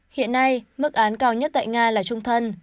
hiện nay mức án cao nhất tại nga là trung thân